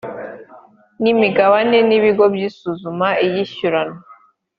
n imigabane n ibigo by isuzuma n iyishyurana